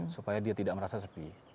supaya dia tidak merasa sepi